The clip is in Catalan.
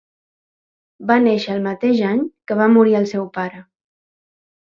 Va néixer el mateix any que va morir el seu pare.